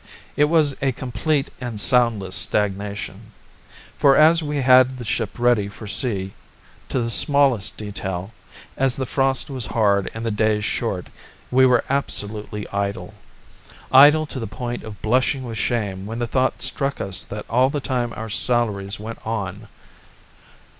It was a complete and soundless stagnation; for, as we had the ship ready for sea to the smallest detail, as the frost was hard and the days short, we were absolutely idle idle to the point of blushing with shame when the thought struck us that all the time our salaries went on.